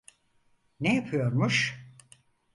Ne yapıyormuş?